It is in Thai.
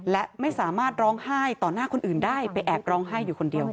และไม่สามารถร้องไห้ต่อหน้าคนอื่นได้ไปแอบร้องไห้อยู่คนเดียว